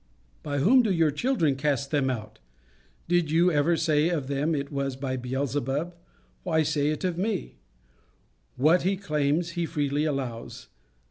"By whom do your children cast them out?" Did you ever say of them it was by Beelzebub? Why say it of me? What he claims he freely allows.